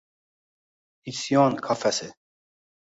isyon qafasi